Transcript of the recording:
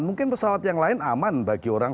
mungkin pesawat yang lain aman bagi orang